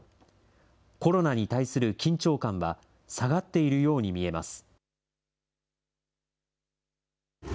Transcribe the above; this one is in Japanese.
コロナに対する緊張感は下がっているように見えます。